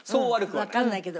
わかんないけど。